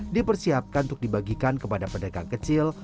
dipersiapkan untuk dibagikan kepada pedagang kecil